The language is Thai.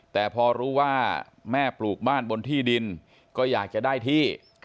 แต่พอรู้ว่าแม่ปลูกบ้านบนที่ดินก็อยากจะได้ที่